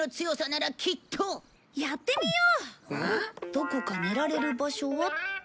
どこか寝られる場所はっと。